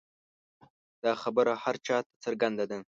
دا خبره هر چا ته څرګنده ده.